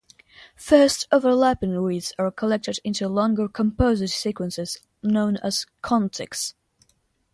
First, overlapping reads are collected into longer composite sequences known as "contigs".